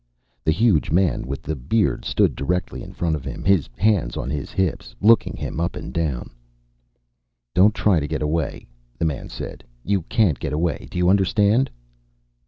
The huge man with the beard stood directly in front of him, his hands on his hips, looking him up and down. "Don't try to get away," the man said. "You can't get away. Do you understand?"